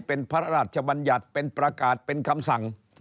เป็นพระราชบัญญัติเป็นประกาศเป็นคำสั่ง